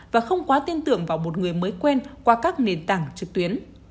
và không quá tin tưởng vào một người mới quen qua các nền tảng trực tuyến